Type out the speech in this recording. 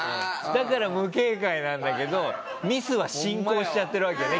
だから無警戒なんだけどミスは進行しちゃってるわけよね